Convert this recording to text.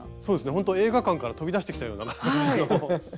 ほんと映画館から飛び出してきたような感じの。